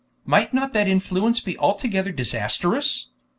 Might not that influence be altogether disastrous?